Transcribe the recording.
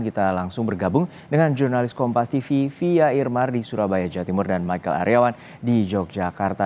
kita langsung bergabung dengan jurnalis kompas tv fia irmar di surabaya jawa timur dan michael aryawan di yogyakarta